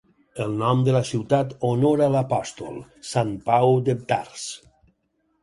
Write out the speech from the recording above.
El nom de la ciutat honora l'apòstol, Sant Pau de Tars.